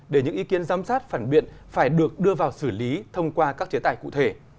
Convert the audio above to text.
để những ý kiến giám sát phản biện phải được đưa vào xử lý thông qua các chế tài cụ thể